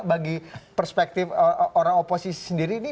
bagi perspektif orang oposisi sendiri ini